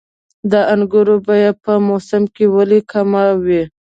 د انګورو بیه په موسم کې ولې کمه وي؟